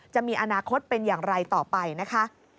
จะมีอนาคตเป็นอย่างไรต่อไปนะคะ